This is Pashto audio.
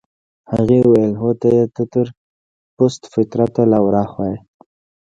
هغې وویل: هو ته يې، ته تر پست فطرته لا ورهاخوا يې.